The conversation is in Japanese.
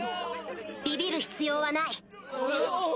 ビビる必要はない。